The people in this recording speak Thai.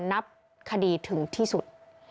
นับคดีถึงที่สุด